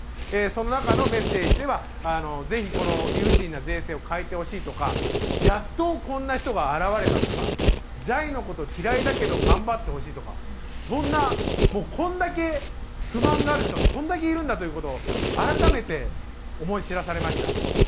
その中のメッセージでは「ぜひこの理不尽な税制を変えてほしい」とか「やっとこんな人が現れた」とか「じゃいの事嫌いだけど頑張ってほしい」とかそんなこんだけ不満がある人がこんだけいるんだという事を改めて思い知らされました。